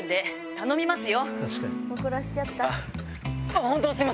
頼みますよ。